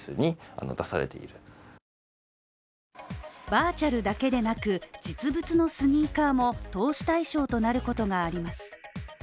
バーチャルだけでなく、実物のスニーカーも投資対象となることがあります。